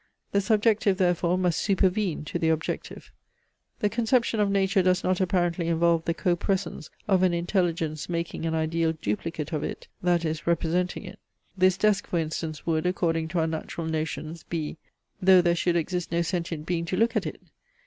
The subjective therefore must supervene to the objective. The conception of nature does not apparently involve the co presence of an intelligence making an ideal duplicate of it, that is, representing it. This desk for instance would (according to our natural notions) be, though there should exist no sentient being to look at it.